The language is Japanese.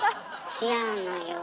違うのよ。